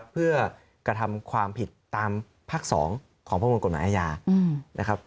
เพื่อกระทำความผิดตามภาค๒ของประมวลกฎหมายอาญานะครับ